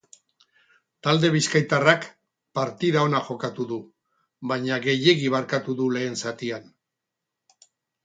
Talde bizkaitarrak partida ona jokatu du, baina gehiegi barkatu du lehen zatian.